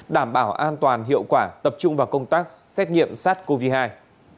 đảm bảo an toàn hiệu quả tập trung vào công tác xét nghiệm sát covid một mươi chín